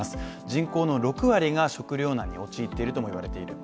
人口の６割が食糧難に陥っているともいわれている。